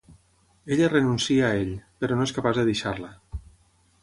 Ella renuncia a ell, però no és capaç de deixar-la.